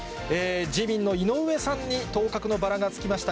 自民の井上さんに当確のバラがつきました。